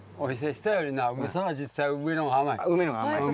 下よりなそりゃ実際上の方が甘い。